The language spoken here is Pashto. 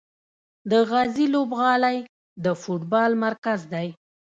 د غازي لوبغالی د فوټبال مرکز دی.